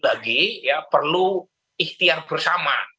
lagi ya perlu ikhtiar bersama